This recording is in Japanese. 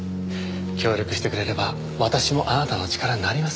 協力してくれれば私もあなたの力になりますよ。